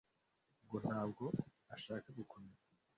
ngo ntabwo ashaka gukomeza